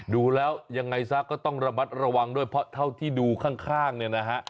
ดูแล้วยังไงซะก็ต้องระมัดระวังด้วยเพราะเท่าที่ดูข้างเนี่ยนะฮะ